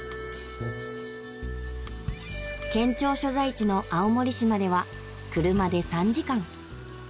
県庁所在地の青森市までは車で３時間。